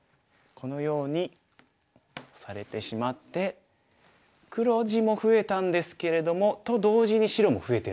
このようにオサれてしまって黒地も増えたんですけれどもと同時に白も増えてるんですよ。